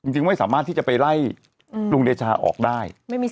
จริงไม่สามารถที่จะไปไล่ลุงเดชาออกได้